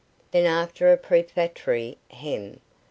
Then after a prefatory Hem!